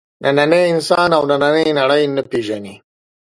نننی انسان او نننۍ نړۍ نه پېژني.